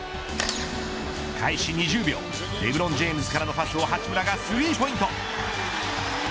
開始２０秒レブロン・ジェームズからのパスを八村がスリーポイント。